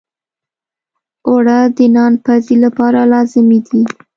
اوړه د نان پزی لپاره لازمي دي